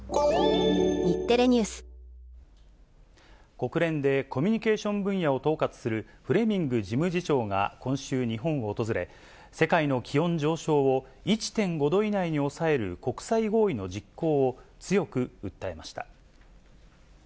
国連で、コミュニケーション分野を統括するフレミング事務次長が今週、日本を訪れ、世界の気温上昇を１．５度以内に抑える国際合意の実行を強く訴えました。